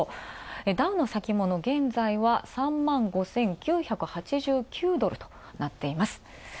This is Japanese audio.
ダウの先もの、現在は、３５９８９ドルとなっています。